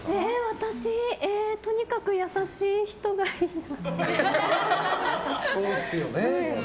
私、とにかく優しい人がいいな。